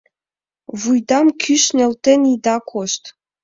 Вуйдам кӱш нӧлтен ида кошт.